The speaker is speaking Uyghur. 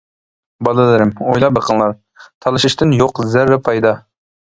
بالىلىرىم، ئويلاپ بېقىڭلار، تالىشىشتىن يوق زەررە پايدا!